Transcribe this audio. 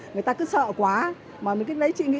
người ta cứ sợ quá mà mình cứ lấy chị nghĩ